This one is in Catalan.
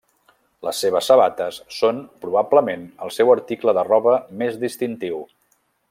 Les seves sabates són probablement el seu article de roba més distintiu.